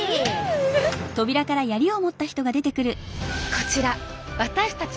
こちら私たち